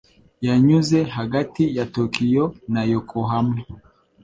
yanyuze hagati ya Tokiyo na Yokohama